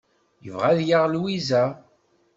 Yebɣa ad yaɣ Lwiza.